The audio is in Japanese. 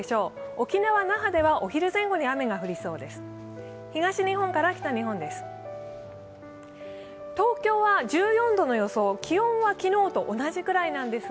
沖縄・那覇ではお昼前後に雨が降りそうです。